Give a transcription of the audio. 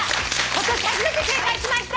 今年初めて正解しました！